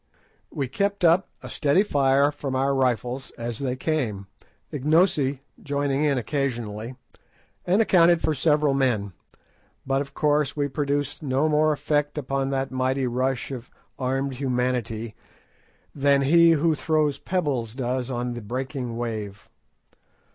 We kept up a steady fire from our rifles as they came, Ignosi joining in occasionally, and accounted for several men, but of course we produced no more effect upon that mighty rush of armed humanity than he who throws pebbles does on the breaking wave.